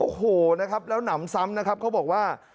โอ้โหนะครับแล้วหนำซ้ำนะครับเขาบอกว่า